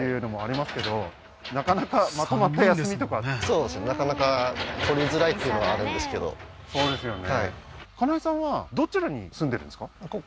そうですかまあでもねっていうのはあるんですけどそうですよね